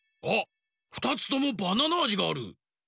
あっ２つともバナナあじがある！